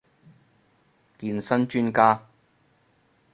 健身專家